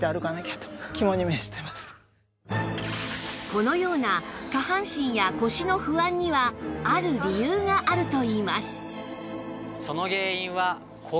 このような下半身や腰の不安にはある理由があるといいます